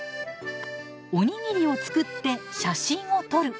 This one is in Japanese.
おにぎりを作って写真を撮る。